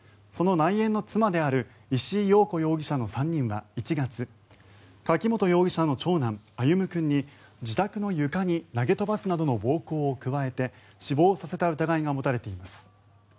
その内縁の妻である石井陽子容疑者の３人は１月柿本容疑者の長男・歩夢君に自宅の床に投げ飛ばすなどの暴行を加えて死亡させた疑いが持たれています。